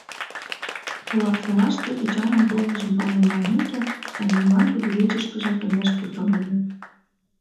Лапсолаште, Эчанын толмыжым пален налмеке, Танила кудывечышкыжат ынеж пурто ыле